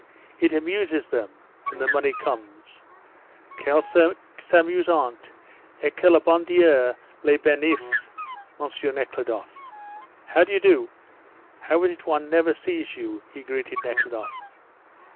"It amuses them, and the money comes." "Qu'elles s'amusent et que le bon dieu les benisse. M. Nekhludoff! How d'you do? How is it one never sees you?" he greeted Nekhludoff.